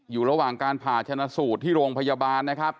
อยู่ระหว่างการผ่าชนะสูตรที่โรงพยาบาลนะครับ